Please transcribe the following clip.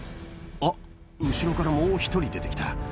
あっ後ろからもう１人出て来た。